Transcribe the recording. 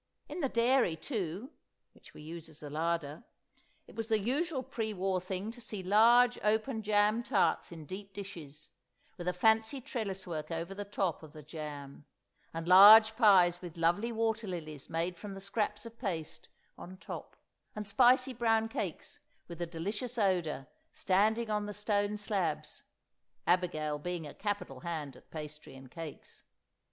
In the dairy, too (which we use as a larder), it was the usual pre war thing to see large open jam tarts in deep dishes, with a fancy trellis work over the top of the jam, and large pies with lovely water lilies, made from the scraps of paste, on top, and spicy brown cakes, with a delicious odour, standing on the stone slabs—Abigail being a capital hand at pastry and cakes.